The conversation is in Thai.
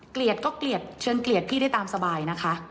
ก็เกลียดเชิงเกลียดพี่ได้ตามสบายนะคะ